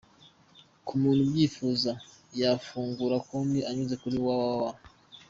Ku muntu ubyifuza, yafungura konti anyuze kuri www.